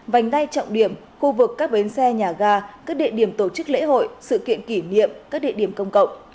vành đai trọng điểm khu vực các bến xe nhà ga các địa điểm tổ chức lễ hội sự kiện kỷ niệm các địa điểm công cộng